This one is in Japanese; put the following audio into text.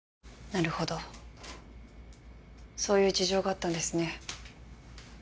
なるほどそういう事情があったんですね